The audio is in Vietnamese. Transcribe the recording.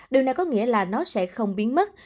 điều này có nghĩa là nó sẽ không biến mất